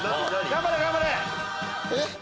頑張れ頑張れ。